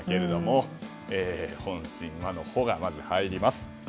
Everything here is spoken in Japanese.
本心は？の「ホ」が入ります。